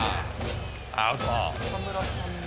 アウト。